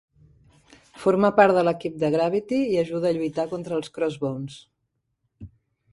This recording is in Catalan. Forma part de l'equip de Gravity i ajuda a lluitar contra el Crossbones.